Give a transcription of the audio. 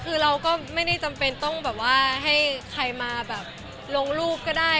คือเราก็ไม่ได้จำเป็นต้องแบบว่าให้ใครมาแบบลงรูปก็ได้